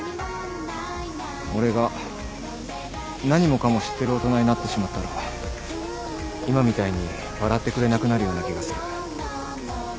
俺が何もかも知ってる大人になってしまったら今みたいに笑ってくれなくなるような気がする。